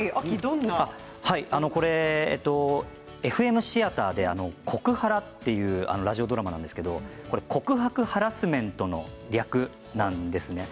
これ、ＦＭシアターで「コクハラ」というラジオドラマなんですけれど告白ハラスメントの略なんですね。